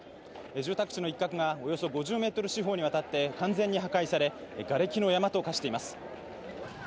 住宅地の一角がおよそ５０ｍ四方にわたって完全に破壊されがれきの山と化しています。